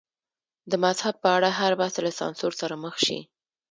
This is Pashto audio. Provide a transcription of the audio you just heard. د مذهب په اړه هر بحث له سانسور سره مخ شي.